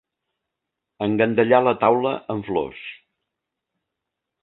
Engandallar la taula amb flors.